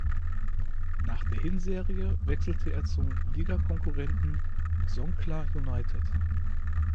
Nach der Hinserie wechselte er zum Ligakonkurrenten Songkhla United.